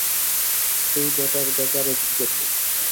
এই ব্যাটার ব্যাপারে কি করব?